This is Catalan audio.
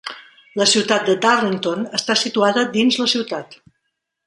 La ciutat de Darlington està situada dins la ciutat.